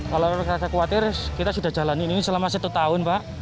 kalau rasa khawatir kita sudah jalanin ini selama satu tahun pak